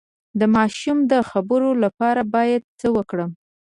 د ماشوم د خبرو لپاره باید څه وکړم؟